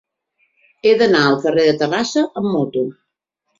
He d'anar al carrer de Terrassa amb moto.